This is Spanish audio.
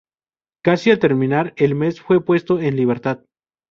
Casi al terminar el mes fue puesto en libertad.